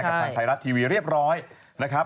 กับช่างทายรัฐทีวีเรียบร้อยนะครับ